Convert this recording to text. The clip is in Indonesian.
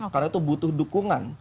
karena itu butuh dukungan